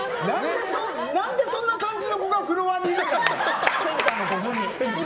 何でそんな感じの子がフロアにいるの？